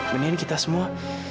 mendingan kita semua